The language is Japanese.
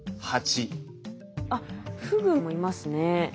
あっフグもいますね。